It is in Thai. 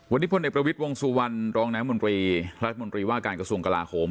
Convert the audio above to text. วันนี้พลเอกประวิทย์วงสุวรรณรองน้ำมนตรีรัฐมนตรีว่าการกระทรวงกลาโหม